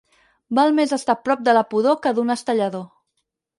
Val més estar prop de la pudor que d'un estellador.